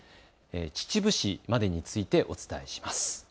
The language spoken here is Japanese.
秩父市までについてお伝えします。